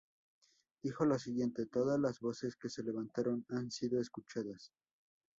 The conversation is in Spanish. Dijo lo siguiente:Todas las voces que se levantaron han sido escuchadas.